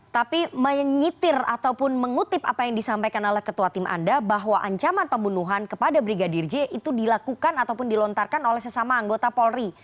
tapi menyitir ataupun mengutip apa yang disampaikan oleh ketua tim anda bahwa ancaman pembunuhan kepada brigadir j itu dilakukan ataupun dilontarkan oleh sesama anggota polri